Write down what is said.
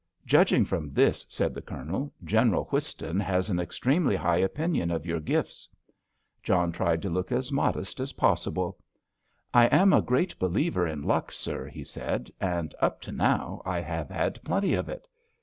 "Judging from this," said the Colonel, "General Whiston has an extremely high opinion of your gifts." John tried to look as modest as possible. "I am a great believer in luck, sir," he said, "and up to now I have had plenty of it."